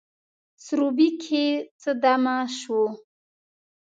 سروبي کښي څه دمه سوو